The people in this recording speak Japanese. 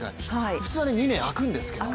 普通は２年あくんですけどね。